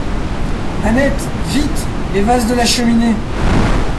Annette ! vite ! les vases de la cheminée.